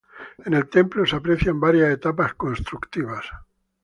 En el templo se aprecian varias etapas constructivas.